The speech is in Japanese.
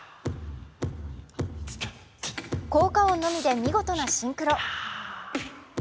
効果音のみで見事なシンクロ。